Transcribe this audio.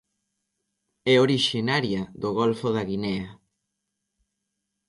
É orixinaria do golfo da Guinea.